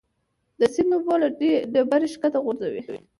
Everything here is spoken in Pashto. د سیند اوبه له ډبرې ښکته غورځېدې.